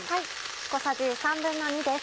小さじ２／３です。